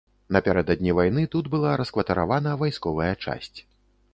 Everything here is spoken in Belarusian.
Напярэдадні вайны тут была раскватаравана вайсковая часць.